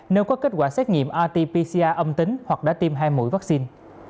nếu có kết quả xét nghiệm rt pcr âm tính hoặc đã tiêm hai mũi vắc xin